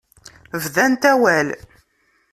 Bdant awal.